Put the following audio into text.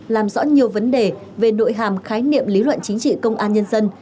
làm rõ nhiều vấn đề về nội hàm khái niệm lý luận chính trị công an nhân dân